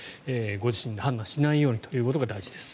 ご自身で判断しないようにということが大事です。